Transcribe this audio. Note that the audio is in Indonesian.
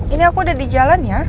ini aku udah di jalan ya